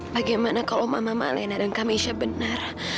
bagaimana kalau mama mama lena dan kamesha benar